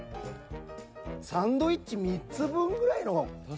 サンドイッチ３つ分ぐらいのイメージ。